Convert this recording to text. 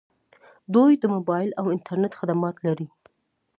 دوی د موبایل او انټرنیټ خدمات لري.